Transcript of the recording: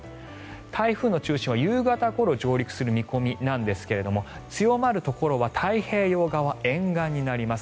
台風の中心は夕方ごろ上陸する見込みなんですが強まるところは太平洋側沿岸になります。